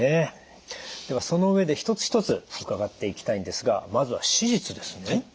ではその上で一つ一つ伺っていきたいんですがまずは手術ですね。